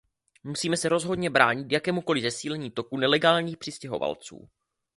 Musíme se rozhodně bránit jakémukoli zesílení toku nelegálních přistěhovalců.